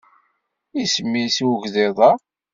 Isem-is i ugḍiḍ-a?